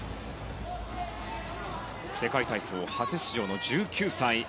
世界体操初出場の１９歳。